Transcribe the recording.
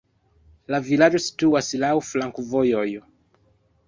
La vilaĝo situas laŭ flankovojoj.